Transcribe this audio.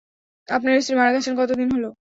আপনার স্ত্রী মারা গেছেন কত দিন হল?